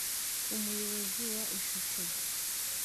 umuyobozi wa Ishusho